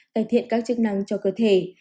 cải thiện các chức năng cho cơ thể